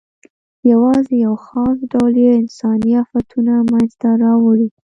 یواځې یو خاص ډول یې انساني آفتونه منځ ته راوړي.